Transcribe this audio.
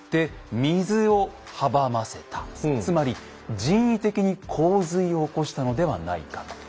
つまり人為的に洪水を起こしたのではないかと。